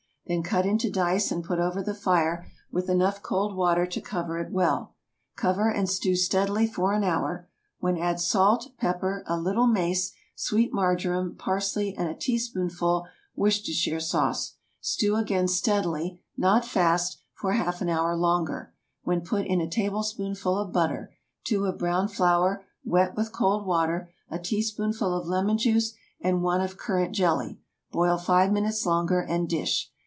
Then cut into dice and put over the fire, with enough cold water to cover it well. Cover and stew steadily for an hour, when add salt, pepper, a little mace, sweet marjoram, parsley, and a teaspoonful Worcestershire sauce. Stew again steadily, not fast, for half an hour longer, when put in a tablespoonful of butter, two of browned flour—wet with cold water, a teaspoonful of lemon juice and one of currant jelly. Boil five minutes longer, and dish.